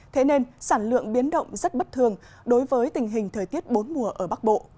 thế nên sản lượng biến động rất bất thường đối với tình hình thời tiết bốn mùa ở bắc bộ